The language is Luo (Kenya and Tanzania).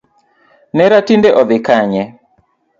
Nera tinde odhi Kanye?